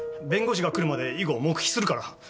弁護士が来るまで以後黙秘するから。